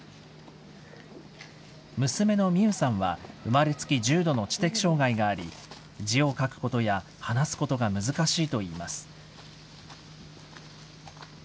娘の美優さんは生まれつき重度の知的障害があり、字を書くことや、話すことが難しいといいます。